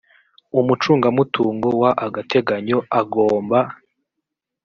umucungamutungo w agateganyo agomba